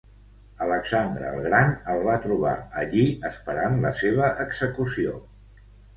Alexandre el Gran el va trobar allí esperant la seva execució.